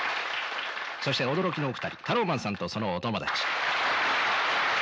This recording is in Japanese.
そして驚きのお二人タローマンさんとそのお友達。